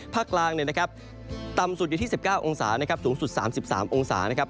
ภาคกลางต่ำสุดอยู่ที่๑๙องศานะครับสูงสุด๓๓องศานะครับ